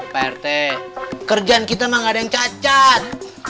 pak rt kerjaan kita mah nggak ada yang cacat